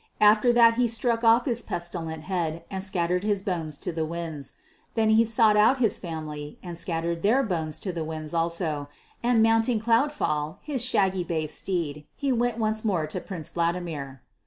After that he struck off his pestilent head and scattered his bones to the winds. Then he sought out his family and scattered their bones to the winds also, and mounting Cloudfall, his shaggy bay steed, he went once more to Prince Vladimir.